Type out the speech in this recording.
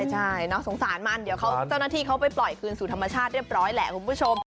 ใช่สงสารมันเดี๋ยวเจ้าหน้าที่เขาไปปล่อยคืนสู่ธรรมชาติเรียบร้อยแหละคุณผู้ชม